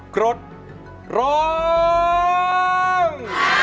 กรดร้อง